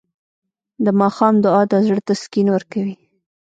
د ماښام دعا د زړه تسکین ورکوي.